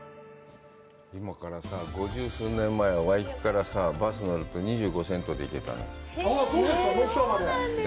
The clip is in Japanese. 今からさ、五十数年前、ワイキキからバスに乗ると２５セントで行けたの。ノースショアまで？